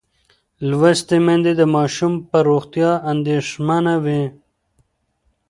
لوستې میندې د ماشوم پر روغتیا اندېښمنه وي.